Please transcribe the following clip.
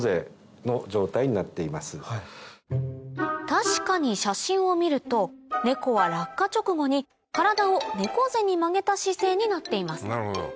確かに写真を見るとネコは落下直後に体を猫背に曲げた姿勢になっています